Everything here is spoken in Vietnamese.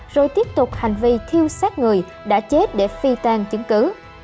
rồi tiếp tục hành vi thiêu sát người đã chết để phi tan chứng cứ